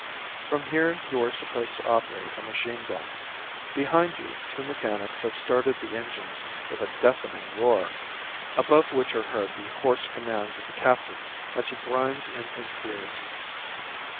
From here you are supposed to operate a machine gun. Behind you two mechanics have started the engines with a deafening roar, above which are heard the hoarse commands of the captain as he grinds in his gears.